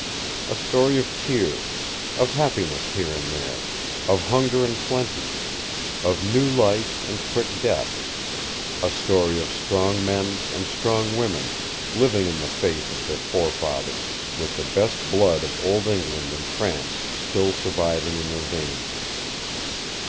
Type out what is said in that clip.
A story of tears, of happiness here and there, of hunger and plenty, of new life and quick death; a story of strong men and strong women, living in the faith of their forefathers, with the best blood of old England and France still surviving in their veins.